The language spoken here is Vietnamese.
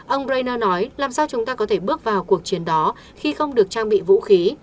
ông breno nói làm sao chúng ta có thể bước vào cuộc chiến đó khi không được trang bị vũ khí